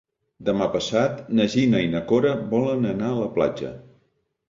Demà passat na Gina i na Cora volen anar a la platja.